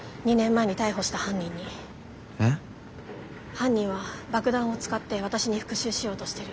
犯人は爆弾を使って私に復讐しようとしてる。